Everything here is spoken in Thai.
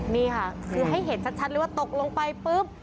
นี่ค่ะคือให้เห็นชัดเลยว่าตกลงไปปุ๊บ